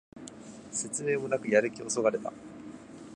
説明もなくやる気をそがれた